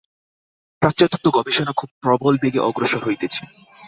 প্রাচ্যতত্ত্ব-গবেষণা খুব প্রবল বেগে অগ্রসর হইতেছে।